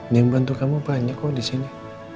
yang bantu kamu banyak kok di sini